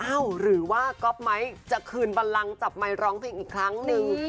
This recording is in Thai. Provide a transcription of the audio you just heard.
หรือว่าก๊อปไมค์จะคืนบันลังจับไมค์ร้องเพลงอีกครั้งหนึ่ง